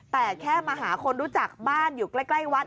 แต่แค่มาหาคนรู้จักบ้านอยู่ใกล้วัด